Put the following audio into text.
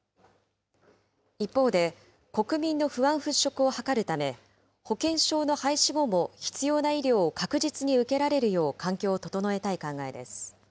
一方で、国民の不安払拭を図るため、保険証の廃止後も必要な医療を確実に受けられるよう環境を整えたい考えです。